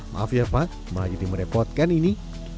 maaf ya pak malah jadi merepotkan ini